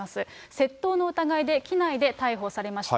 窃盗の疑いで、機内で逮捕されました。